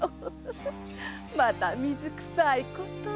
また水くさいことを。